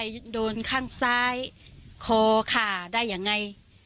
แค่โดนข้างซ้ายโคข่าได้อย่างไร